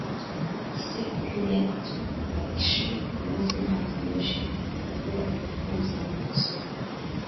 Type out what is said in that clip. Ise Puneet Bakshi yamaze imyaka myinshi akora program za mudasobwa